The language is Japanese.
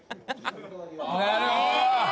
なるほど！